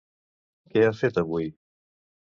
Què ha fet avui?